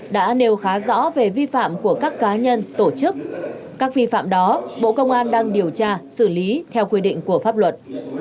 đã nêu khá rõ về vi phạm của các cá nhân tổ chức các vi phạm đó bộ công an đang điều tra xử lý theo quy định của pháp luật